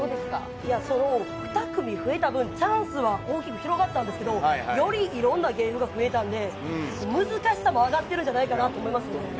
その２組増えた分、チャンスは大きく広がったんですけど、よりいろんな芸風が増えたんで、難しさも上がってるんじゃないかと思いますね。